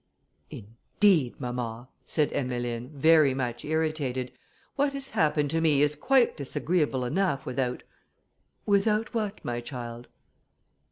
"Indeed, mamma," said Emmeline, very much irritated, "what has happened to me is quite disagreeable enough without...." "Without what, my child?"